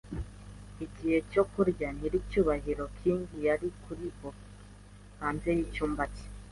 Igihe cyo kurya, nyiricyubahiro King yari kuri bkoni hanze yicyumba cye.